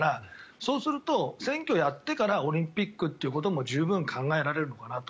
そうすると、選挙をやってからオリンピックっていうのも十分考えられるのかなと。